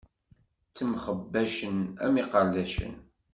Ttemxebbacen am iqerdacen.